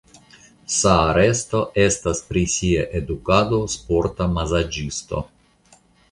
Saaresto estas pri sia edukado sporta mazaĝisto.